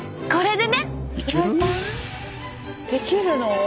できるの？